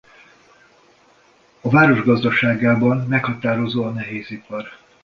A város gazdaságában meghatározó a nehézipar.